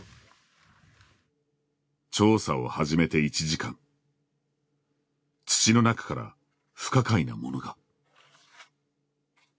調査を始めて１時間土の中から不可解なものが。